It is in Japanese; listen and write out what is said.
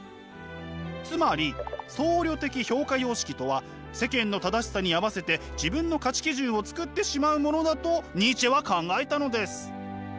つまり僧侶的評価様式とは世間の正しさに合わせて自分の価値基準を作ってしまうものだとニーチェは考えたのです。